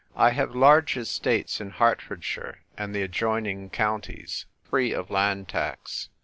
I HAVE large estates in Hertfordshire and the adjoining counties, free of land tax.